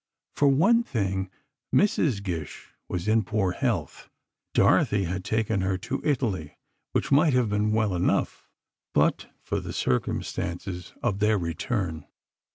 For one thing, Mrs. Gish was in poor health. Dorothy had taken her to Italy, which might have been well enough but for the circumstances of their return.